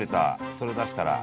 それ出したら。